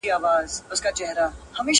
ورو ورو بدلېږي